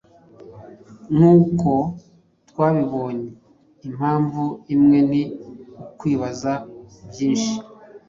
Nkuko twabibonye, impamvu imwe ni ukwibaza byinshi.